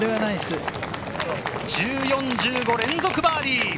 １４、１５、連続バーディー！